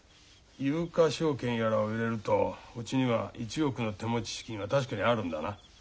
有価証券やらを入れるとうちには１億の手持ち資金は確かにあるんだな？